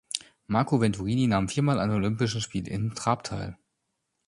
Marco Venturini nahm viermal an Olympischen Spielen im Trap teil.